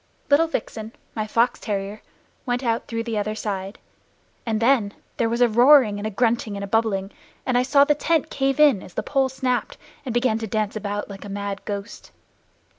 Little Vixen, my fox terrier, went out through the other side; and then there was a roaring and a grunting and bubbling, and I saw the tent cave in, as the pole snapped, and begin to dance about like a mad ghost.